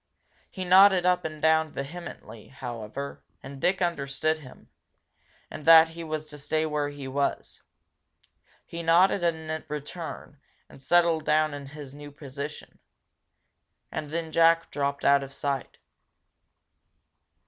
He nodded up and down vehemently, however, and Dick understood him, and that he was to stay where he was. He nodded in return, and settled down in his new position. And then Jack dropped out of sight.